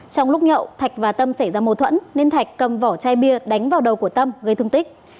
trong lúc nhậu thạch và tâm xảy ra mâu thuẫn nên thạch cầm vỏ chai bia đánh vào đầu của tâm gây thương tích